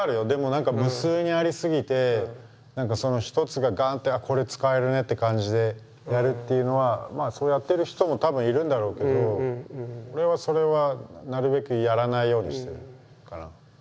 でも何か無数にありすぎてその一つがガンってこれ使えるねって感じでやるっていうのはそうやってる人もたぶんいるんだろうけど俺はそれはなるべくやらないようにしてるから。